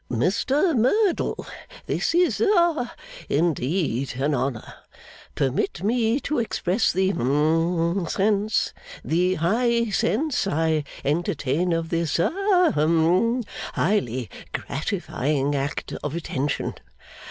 'Mr Merdle, this is ha indeed an honour. Permit me to express the hum sense, the high sense, I entertain of this ha hum highly gratifying act of attention.